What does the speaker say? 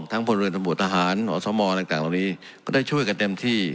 ทั้งฝนเรือนสมบูรณ์ทหารออสโมอะไรต่างตรงนี้ก็ได้ช่วยกันเต็มที่